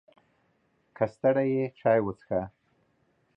که ستړی یې، چای وڅښه!